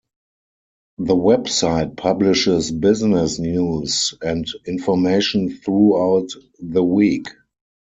The web site publishes business news and information throughout the week.